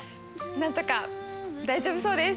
何とか大丈夫そうです。